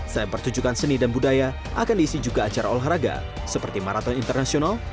selain pertunjukan seni dan budaya akan diisi juga acara olahraga seperti maraton internasional